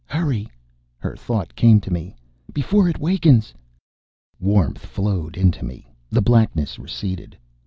"Hurry!" her thought came to me. "Before it wakens!" Warmth flowed into me. The blackness receded....